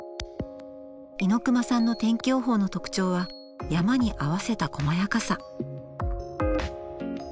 猪熊さんの天気予報の特徴は山に合わせたこまやかさ。